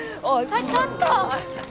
あっちょっと！